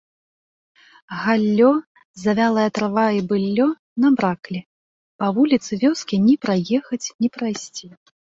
Галлё, завялая трава і быллё набраклі, па вуліцы вёскі ні праехаць ні прайсці.